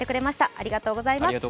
ありがとうございます。